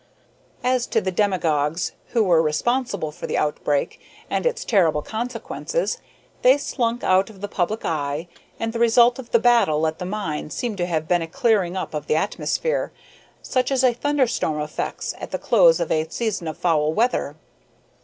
As to the demagogues who were responsible for the outbreak and its terrible consequences, they slunk out of the public eye, and the result of the battle at the mine seemed to have been a clearing up of the atmosphere, such as a thunderstorm effects at the close of a season of foul weather.